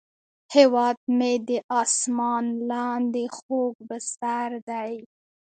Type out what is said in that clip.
هیواد مې د اسمان لاندې خوږ بستر دی